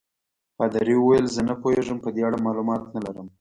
پادري وویل: زه نه پوهېږم، په دې اړه معلومات نه لرم.